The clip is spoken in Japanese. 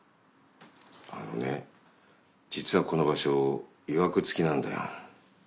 あのね実はこの場所いわく付きなんだよ。